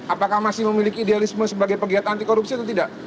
apakah masih memiliki idealisme sebagai pegiat antiporusi atau tidak